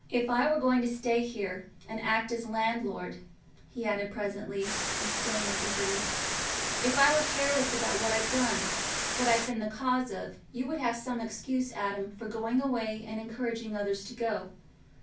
"If I were going to stay here and act as landlord," he added presently, with still more eagerness—"if I were careless about what I've done—what I've been the cause of, you would have some excuse, Adam, for going away and encouraging others to go.